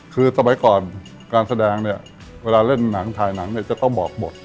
คือสมัยก่อนการแสดงเนี่ยเวลาเล่นหนังถ่ายหนังเนี่ยจะต้องบอกบท